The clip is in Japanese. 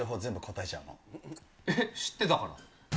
えっ、知ってたから。